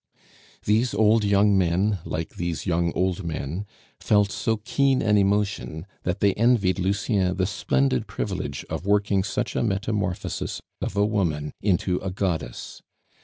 These old young men, like these young old men, felt so keen an emotion, that they envied Lucien the splendid privilege of working such a metamorphosis of a woman into a goddess.